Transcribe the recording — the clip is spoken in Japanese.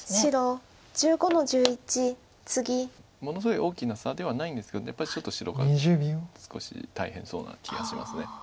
ものすごい大きな差ではないんですけどやっぱりちょっと白が少し大変そうな気がします。